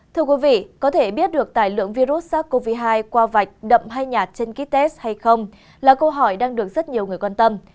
thưa quý vị có thể biết được tài lượng virus sars cov hai qua vạch đậm hay nhạt trên kites hay không là câu hỏi đang được rất nhiều người quan tâm